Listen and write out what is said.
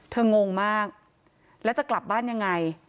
งงมากแล้วจะกลับบ้านยังไง